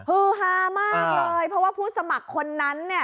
ฮือฮามากเลยเพราะว่าผู้สมัครคนนั้นเนี่ย